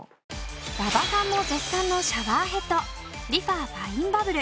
馬場さんも絶賛のシャワーヘッドリファファインバブル。